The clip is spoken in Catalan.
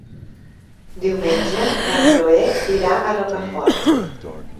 Diumenge na Chloé irà a Rocafort.